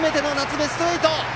ベスト８！